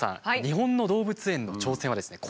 日本の動物園の挑戦はですね